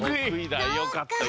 よかった！